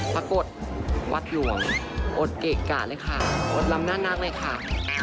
ปรากฏวัดหลวงอดเกะกะเลยค่ะอดลำหน้านาคเลยค่ะ